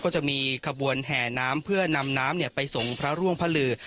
จะมีขบวนแห่น้ำเพื่อนำน้ำไปส่งพระร่วงพระลือ